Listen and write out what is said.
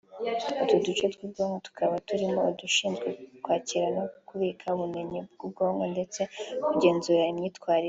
utu duce tw’ubwonko tukaba turimo udushinzwe kwakira no kubika ubumenyi mu bwonko ndetse no kugenzura imyitwarire